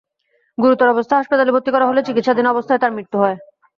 গুরুতর অবস্থায় হাসপাতালে ভর্তি করা হলে চিকিৎসাধীন অবস্থায় তাঁর মৃত্যু হয়।